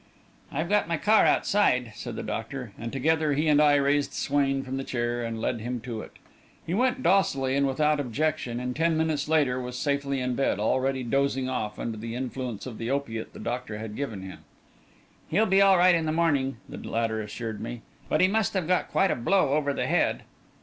"I've got my car outside," said the doctor, and together he and I raised Swain from the chair and led him to it. He went docilely and without objection, and ten minutes later, was safely in bed, already dozing off under the influence of the opiate the doctor had given him. "He'll be all right in the morning," the latter assured me. "But he must have got quite a blow over the head."